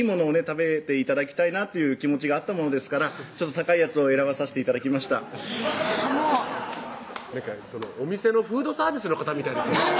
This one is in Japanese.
食べて頂きたいなという気持ちがあったものですから高いやつを選ばさして頂きましたなんかお店のフードサービスの方みたいですね